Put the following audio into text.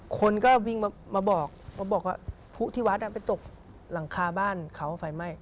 คนก็วิ่งมาบอกมาบอกว่าผู้ที่วัดไปตกหลังคาบ้านเขาไฟไหม้